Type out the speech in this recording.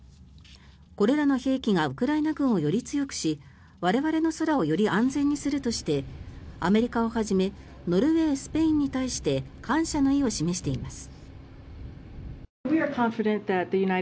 これらの兵器がウクライナ軍をより強くし我々の空をより安全にするとしてアメリカをはじめノルウェー、スペインに対して感謝の意を示しています。